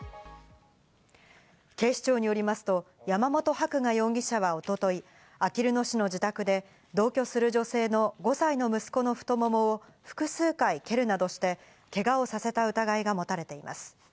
警視庁によりますと、山本伯画容疑者は一昨日、あきる野市の自宅で同居する女性の５歳の息子の太ももを複数回蹴るなどしてけがをさせた疑いが持たれています。